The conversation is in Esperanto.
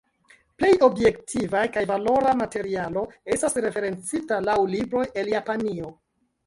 Plej objektiva kaj valora materialo estas referencita laŭ libroj el Japanio.